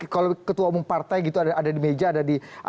kalau ketua umum partai gitu ada di meja ada di